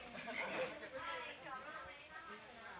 ปัญหาของที่เติมของเดิมคือกลุ่มที่ปรับติดได้